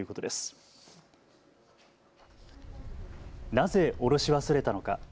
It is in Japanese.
なぜ降ろし忘れたのか。